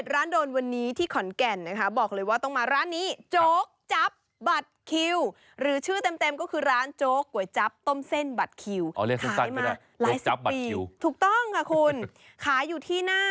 ร้านยังไม่เปิดไง